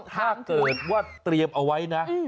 ถ้าเกิดว่าเตรียมเอาไว้นะ